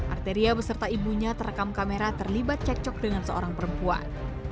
arteria beserta ibunya terekam kamera terlibat cekcok dengan seorang perempuan